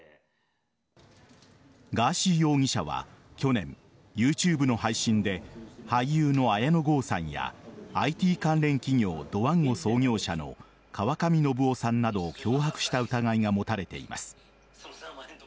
ガーシー容疑者は去年ＹｏｕＴｕｂｅの配信で俳優の綾野剛さんやＩＴ関連企業・ドワンゴ創業者の川上量生さんなどを脅迫した疑いが持たれています。